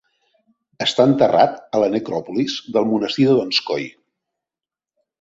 Està enterrat a la necròpolis del monestir de Donskoy.